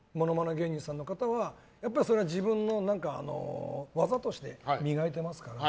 芸人さんの方はやっぱりそれは自分の技として磨いてますから。